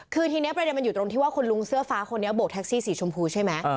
คือทีนี้ประเด็นมันอยู่ตรงที่ว่าคุณลุงเสื้อฟ้าคนนี้โบกแท็กซี่สีชมพูใช่ไหม